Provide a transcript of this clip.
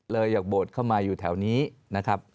อยากโบสถ์เข้ามาอยู่แถวนี้นะครับ